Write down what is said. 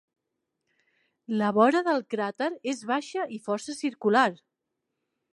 La vora del cràter és baixa i força circular.